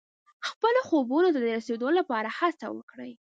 خپلو خوبونو ته د رسیدو لپاره هڅه وکړئ.